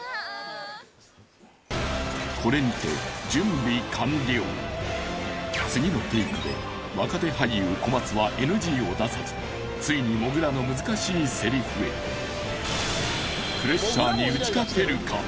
これにて次のテイクで若手俳優小松はＮＧを出さずついにもぐらの難しいセリフへプレッシャーに打ち勝てるか？